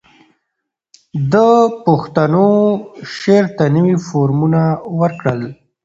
ده پښتو شعر ته نوي فورمونه ورکړل